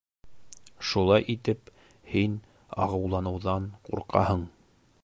Шулай итеп, һин ағыуланыуҙан ҡурҡаһың.